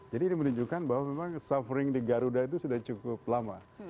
jadi ini menunjukkan bahwa memang suffering di garuda itu sudah cukup lama